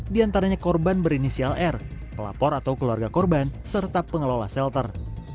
di antaranya korban berinisial r pelapor atau keluarga korban serta pengelola shelter